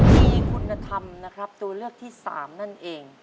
มีคุณธรรมนะครับตัวเลือกที่๓นั่นเอง